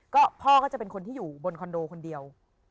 ก็พ่อก็จะเป็นคนที่อยู่บนคอนโดคนเดียว